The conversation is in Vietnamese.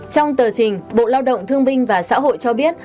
trong tờ trình bộ lao động thương binh và xã hội cho biết